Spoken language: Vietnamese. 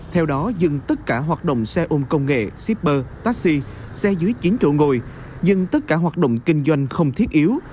theo đó dừng tất cả hoạt động xe ôm công nghệ shipper taxi xe dưới chiến trụ ngồi dừng tất cả hoạt động kinh doanh không thiết yếu